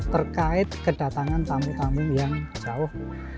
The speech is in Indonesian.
terkait kedatangan tamu tamu yang jauh